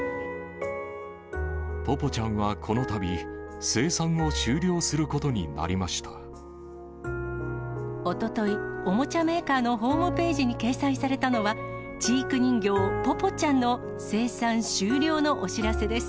ぽぽちゃんはこのたび、おととい、おもちゃメーカーのホームページに掲載されたのは、知育人形、ぽぽちゃんの生産終了のお知らせです。